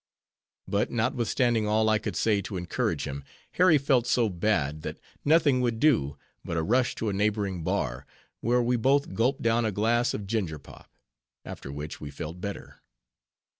But notwithstanding all I could say to encourage him, Harry felt so bad, that nothing would do, but a rush to a neighboring bar, where we both gulped down a glass of ginger pop; after which we felt better.